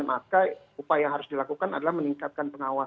maka upaya yang harus dilakukan adalah meningkatkan pengawasan